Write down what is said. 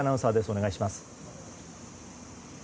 お願いします。